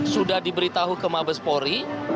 sudah diberitahu ke mabespori